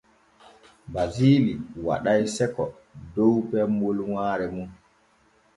Basili waɗay sekko dow pemmol waare mum.